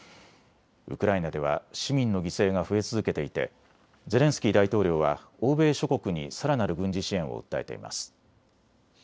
ウクライナでは市民の犠牲が増え続けていてゼレンスキー大統領は欧米諸国にさらなる軍事支援を訴えています。